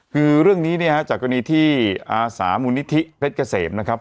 คือเรื่องนี้เนี่ยฮะจากกรณีที่อาสามูลนิธิเพชรเกษมนะครับ